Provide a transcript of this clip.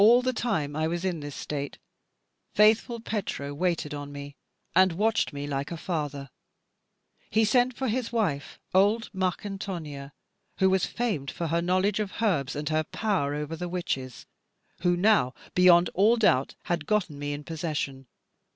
All the time I was in this state, faithful Petro waited on me, and watched me like a father. He sent for his wife, old Marcantonia, who was famed for her knowledge of herbs and her power over the witches, who now beyond all doubt had gotten me in possession.